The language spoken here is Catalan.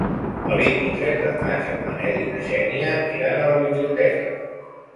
El vint-i-tres de maig en Manel i na Xènia iran a la biblioteca.